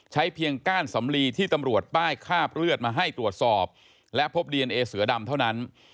เพียงก้านสำลีที่ตำรวจป้ายคาบเลือดมาให้ตรวจสอบและพบดีเอนเอเสือดำเท่านั้น